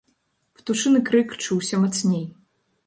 Птушыны крык чуўся мацней.